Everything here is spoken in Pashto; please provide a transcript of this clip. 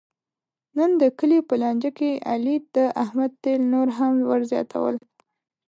نن د کلي په لانجه کې علي د احمد تېل نور هم ور زیاتول.